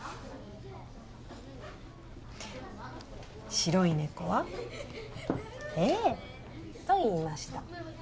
「白いねこはええといいました」